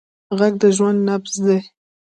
غږ د ژوند نبض دی